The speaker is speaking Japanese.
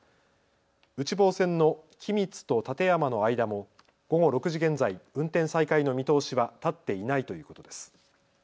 内房線の君津と館山の間も午後６時現在、運転再開の見通しは立っていないということです。